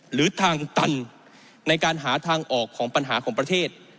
หรือทางตันในการหาทางออกของปัญหาของประเทศ